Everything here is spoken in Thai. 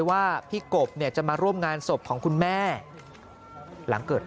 ว่าเกรย์จะมาวันเผาก็ได้อะไรอย่างนี้ฮะ